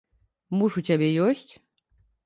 Муж у цябе ёсць?